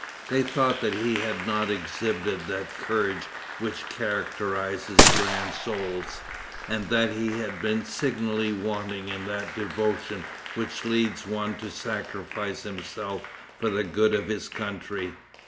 They thought that he had not exhibited that courage which characterizes grand souls, and that he had been signally wanting in that devotion which leads one to sacrifice himself for the good of his country.